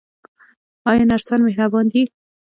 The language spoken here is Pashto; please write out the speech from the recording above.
آیا نرسان مهربان دي؟